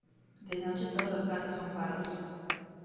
De noche todos los gatos son pardos.